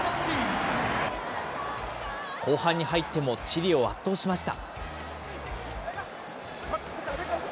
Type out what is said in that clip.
後半に入ってもチリを圧倒しました。